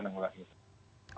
jadi itu sudah diungkapkan